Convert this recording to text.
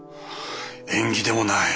縁起でもない。